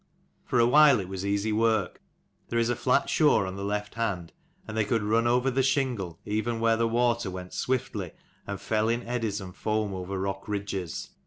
For a while it was easy work : there is a flat shore on the left hand, and they could run over the shingle even where the water went swiftly and fell in eddies and foam over rock ridges.